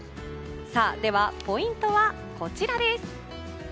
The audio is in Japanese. では、ポイントはこちらです。